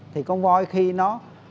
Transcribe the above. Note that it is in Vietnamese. thì con voi khi nó